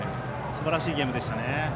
すばらしいゲームでしたね。